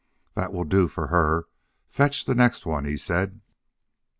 "That will do for her. Fetch the next one," he said.